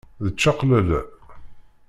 D ččaqlala.